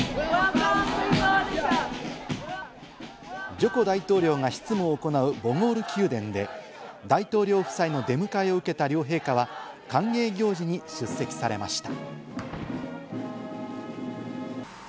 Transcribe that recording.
ジョコ大統領が執務を行うボゴール宮殿で、大統領夫妻の出迎えを受けた両陛下は歓迎行事に出席されました。